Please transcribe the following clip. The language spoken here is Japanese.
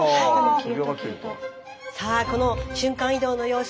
さあこの瞬間移動の様子